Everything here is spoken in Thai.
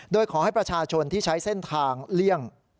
โดยขอให้ประชาชนที่ใช้เส้นทางเลี่ยง